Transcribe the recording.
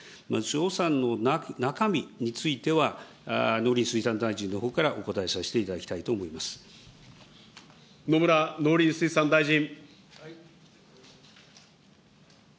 予算の中身については、農林水産大臣のほうからお答えさせていた野村農林水産大臣。